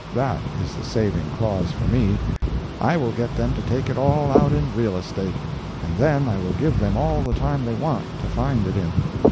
That is the saving clause for me. I will get them to take it all out in real estate. And then I will give them all the time they want to find it in.